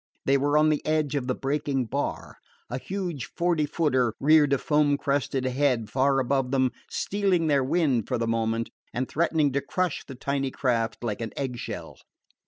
They were on the edge of the breaking bar. A huge forty footer reared a foam crested head far above them, stealing their wind for the moment and threatening to crush the tiny craft like an egg shell.